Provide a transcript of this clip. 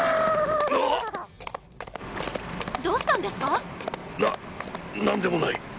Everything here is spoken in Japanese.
なっどうしたんですか？